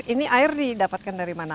ini air didapatkan dari mana